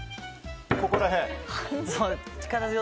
ここら辺。